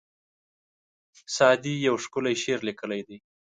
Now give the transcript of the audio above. سعدي یو ښکلی شعر لیکلی دی.